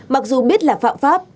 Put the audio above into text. mặc dù biết là phạm pháp